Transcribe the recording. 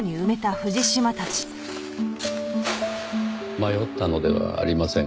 迷ったのではありませんか？